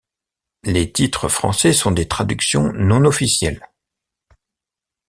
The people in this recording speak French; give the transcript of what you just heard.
Les titres français sont des traductions non officielles.